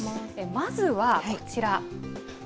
まずはこちら。